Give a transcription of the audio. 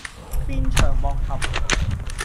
鞭長莫及